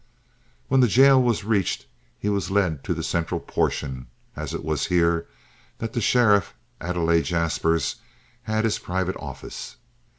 When the jail was reached he was led to the central portion, as it was here that the sheriff, Adlai Jaspers, had his private office.